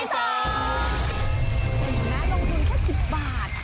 จนถึงม้ายอดลงทวนภาพ๑๐บาท